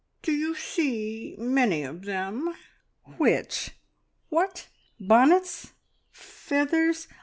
"Do you see many of them?" "Which? What? Bonnets? Feathers?